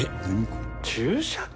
注射器？